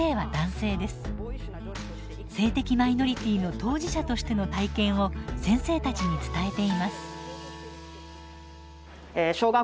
性的マイノリティーの当事者としての体験を先生たちに伝えています。